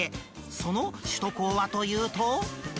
その首都高はというと。